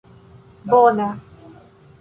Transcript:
bona